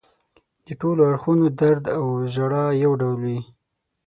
د ټولو اړخونو درد او ژړا یو ډول وي.